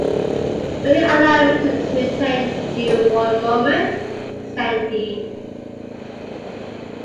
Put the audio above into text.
‘Will you allow me to detain you one moment?’ said he.